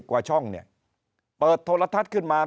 ๒๐กว่าช่องเปิดโทรทัศน์ขึ้นมา